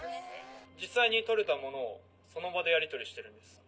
実際に取れたものをその場でやりとりしてるんです。